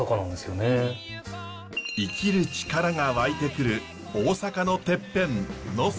生きる力が湧いてくる大阪のてっぺん能勢。